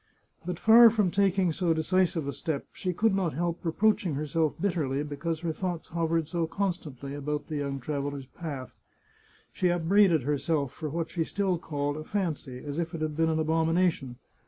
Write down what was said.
But far from taking so decisive a step, she could not help reproaching herself bitterly because her thoughts hovered so constantly about the young traveller's path. She upbraided herself for what she still called a fancy, as if it had been an abomination.